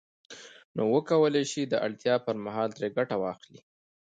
نو وکولای شي د اړتیا پر مهال ترې ګټه واخلي